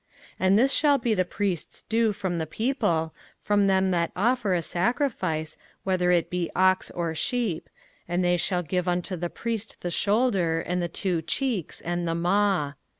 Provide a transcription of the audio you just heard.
05:018:003 And this shall be the priest's due from the people, from them that offer a sacrifice, whether it be ox or sheep; and they shall give unto the priest the shoulder, and the two cheeks, and the maw.